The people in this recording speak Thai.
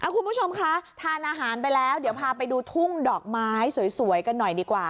คุณผู้ชมคะทานอาหารไปแล้วเดี๋ยวพาไปดูทุ่งดอกไม้สวยกันหน่อยดีกว่า